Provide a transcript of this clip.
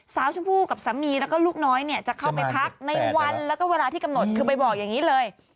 ชมพู่กับสามีแล้วก็ลูกน้อยเนี่ยจะเข้าไปพักในวันแล้วก็เวลาที่กำหนดคือไปบอกอย่างนี้เลย